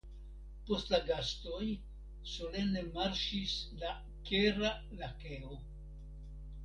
Post la gastoj solene marŝis la Kera Lakeo.